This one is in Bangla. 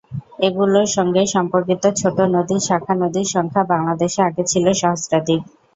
এগুলোর সঙ্গে সম্পর্কিত ছোট নদী, শাখা নদীর সংখ্যা বাংলাদেশে আগে ছিল সহস্রাধিক।